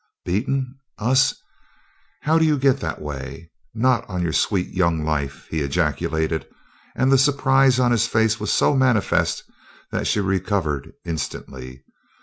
"Beaten! Us? How do you get that way? Not on your sweet young life!" he ejaculated, and the surprise on his face was so manifest that she recovered instantly.